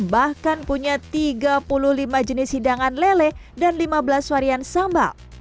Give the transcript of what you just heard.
bahkan punya tiga puluh lima jenis hidangan lele dan lima belas varian sambal